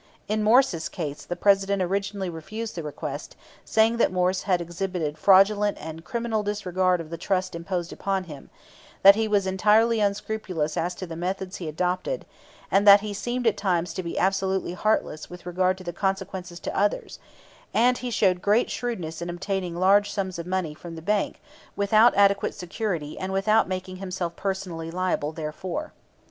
In Morse's case the President originally refused the request, saying that Morse had exhibited "fraudulent and criminal disregard of the trust imposed upon him," that "he was entirely unscrupulous as to the methods he adopted," and "that he seemed at times to be absolutely heartless with regard to the consequences to others, and he showed great shrewdness in obtaining large sums of money from the bank without adequate security and without making himself personally liable therefor."